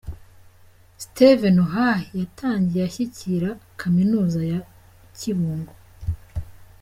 Steve Noah yatangiye ashyigikira Kaminuza ya Kibungo.